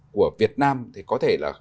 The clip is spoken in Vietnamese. của việt nam thì có thể là